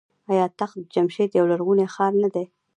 آیا تخت جمشید یو لرغونی ښار نه دی؟